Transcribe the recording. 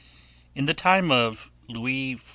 In the time of Louis XIV.